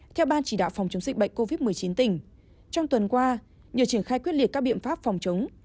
theo ban chỉ đạo phòng chống dịch bệnh covid một mươi chín tỉnh trong tuần qua nhờ triển khai quyết liệt các biện pháp phòng chống